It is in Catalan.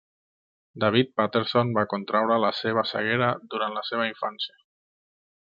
David Paterson va contraure la seva ceguera durant la seva infància.